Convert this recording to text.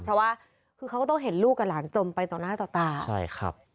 แต่ว่าคือเขาก็ต้องเห็นลูกกับหลางจมไปต่อหน้าต่อตา